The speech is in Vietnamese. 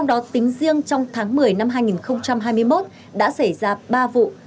nhưng trong tháng một mươi năm hai nghìn hai mươi một đã xảy ra ba vụ